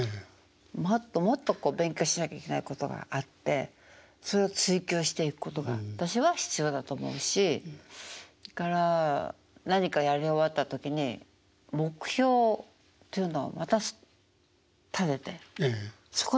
もっともっと勉強しなきゃいけないことがあってそれを追求していくことが私は必要だと思うしそれから何かやり終わった時に目標っていうのをまた立ててそこにまた向かっていく。